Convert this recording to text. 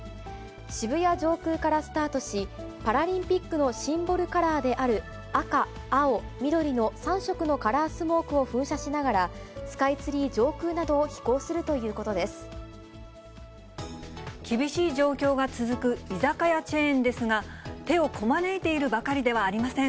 渋谷上空からスタートし、パラリンピックのシンボルカラーである赤、青、緑の３色のカラースモークを噴射しながら、スカイツリー上空など厳しい状況が続く居酒屋チェーンですが、手をこまねいているばかりではありません。